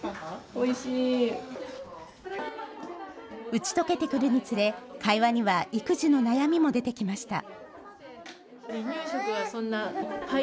打ち解けてくるにつれ、会話には育児の悩みも出てきました。